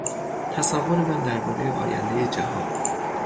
تصور من دربارهی آیندهی جهان